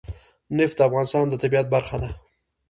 نفت د افغانستان د طبیعت برخه ده.